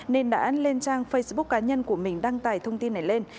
nên đã lên trang facebook cá nhân của mình đăng tải thông tin này lên